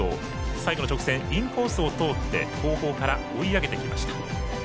最後の直線インコースを通って、後方から追い上げてきました。